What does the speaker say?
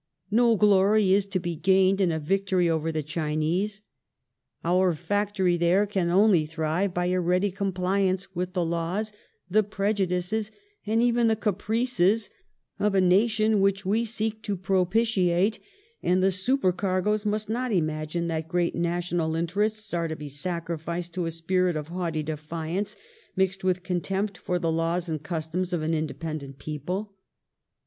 No glory is to be gained in a victory over the Chinese. Our factory there can only thrive by a ready com pliance with the laws, the prej udices, and even the caprices of a nation which we seek to propitiate, and the super cargoes must not imagine that great national interests are to be sacrificed to a spirit of haughty deiiance mixed with contempt for the laws and customs of an independent people.